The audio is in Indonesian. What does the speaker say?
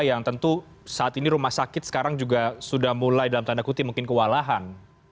yang tentu saat ini rumah sakit sekarang juga sudah mulai dalam tanda kutip mungkin kewalahan